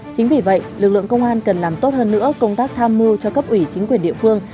chính vì vậy lực lượng công an cần làm tốt hơn nữa công tác tham mưu cho cấp ủy chính quyền địa phương